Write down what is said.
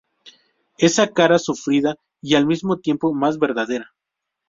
Esa cara sufrida y, al mismo tiempo, más verdadera.